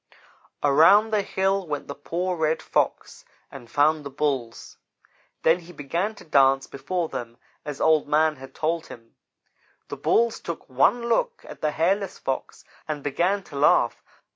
"Around the hill went the poor Red Fox and found the Bulls. Then he began to dance before them as Old man had told him. The Bulls took one look at the hairless Fox and began to laugh.